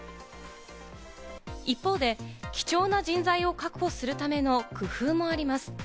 一方で貴重な人材を確保するための工夫もあります。